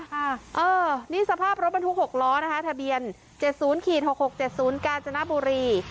ค่ะเออนี่สภาพรถบรรทุกหกล้อนะคะทะเบียนเจ็ดศูนย์ขีดหกหกเจ็ดศูนย์กาจนบุรี